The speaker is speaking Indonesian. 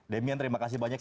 demian terima kasih banyak